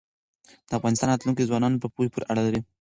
د افغانستان راتلونکی د ځوانانو په پوهه پورې اړه لري.